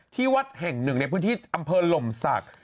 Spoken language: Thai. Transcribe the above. ที่วัดแห่งหนึ่งในพื้นที่อำเภอหล่มศักดิ์